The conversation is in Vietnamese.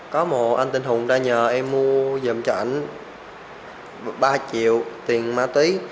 có một anh tên hùng đã nhờ em mua dùm cho ảnh ba triệu tiền ma túy